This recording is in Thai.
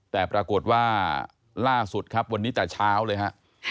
แต่ปรากฏว่าล่าสุดครับวันนี้แต่เช้าเลยฮะ